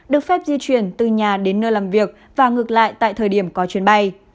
được phép di chuyển từ nhà đến nơi làm việc và ngược lại tại thời điểm có chuyến bay